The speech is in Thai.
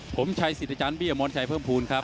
ผมชัยสิรธจานบี้อมอนชัยเพิ่มภูมิครับ